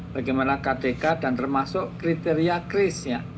bagaimana kpk dan termasuk kriteria kris ya